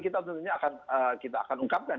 kita tentunya akan kita akan ungkapkan